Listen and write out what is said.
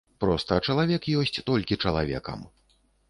Проста чалавек ёсць толькі чалавекам.